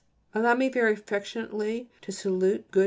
Allow me very affectionately to salute good M.